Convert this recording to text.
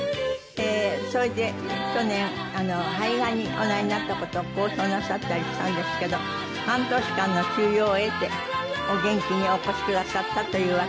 それで去年肺がんにおなりになった事を公表なさったりしたんですけど半年間の休養を経てお元気にお越しくださったというわけでございます。